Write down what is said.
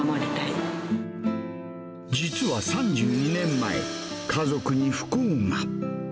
実は３２年前、家族に不幸が。